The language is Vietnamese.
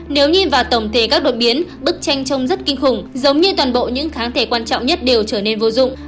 nếu nhìn vào tổng thể các đột biến bức tranh trông rất kinh khủng giống như toàn bộ những kháng thể quan trọng nhất đều trở nên vô dụng